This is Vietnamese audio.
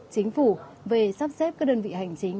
chính phủ về sắp xếp các đơn vị hành chính